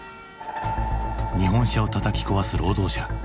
日本車をたたき壊す労働者。